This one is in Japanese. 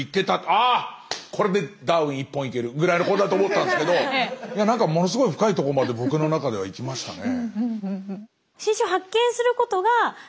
あこれでダーウィン１本いけるぐらいのことだと思ってたんですけど何かものすごい深いとこまで僕の中ではいきましたね。